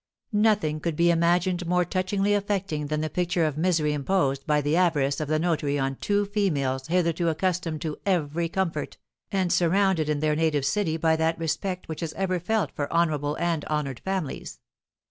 Nothing could be imagined more touchingly affecting than the picture of misery imposed by the avarice of the notary on two females hitherto accustomed to every comfort, and surrounded in their native city by that respect which is ever felt for honourable and honoured families.